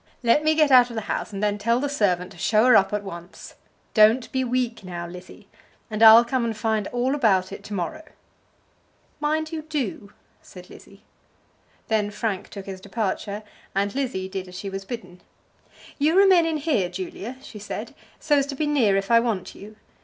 "Let me get out of the house, and then tell the servant to show her up at once. Don't be weak now, Lizzie, and I'll come and find out all about it to morrow." "Mind you do," said Lizzie. Then Frank took his departure, and Lizzie did as she was bidden. "You remain in here, Julia," she said, "so as to be near if I want you.